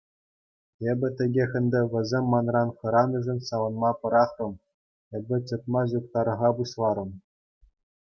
Эпӗ текех ӗнтӗ вӗсем манран хӑранишӗн савӑнма пӑрахрӑм — эпӗ чӑтма ҫук тарӑха пуҫларӑм.